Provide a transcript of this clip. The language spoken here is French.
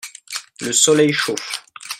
le soleil chauffe.